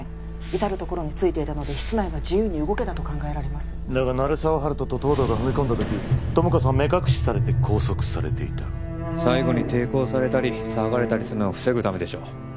至るところについていたので室内は自由に動けたと考えられますだが鳴沢温人と東堂が踏み込んだ時友果さんは目隠しされて拘束されていた最後に抵抗されたり騒がれたりするのを防ぐためでしょう